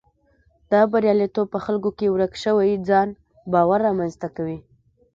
دا بریالیتوب په خلکو کې ورک شوی ځان باور رامنځته کوي.